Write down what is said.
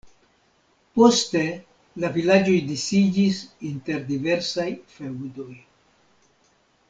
Poste la vilaĝoj disiĝis inter diversaj feŭdoj.